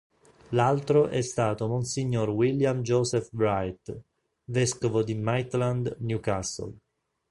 L'altro è stato monsignor William Joseph Wright, vescovo di Maitland-Newcastle.